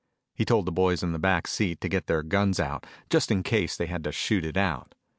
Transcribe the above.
He told the boys in the back seat to get their guns out, just in case they had to shoot it out.